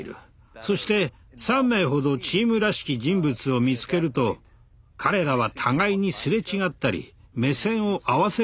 そして３名ほどチームらしき人物を見つけると彼らは互いにすれ違ったり目線を合わせる一瞬がある。